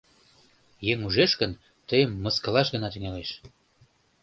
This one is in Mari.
Еҥ ужеш гын, тыйым мыскылаш гына тӱҥалеш.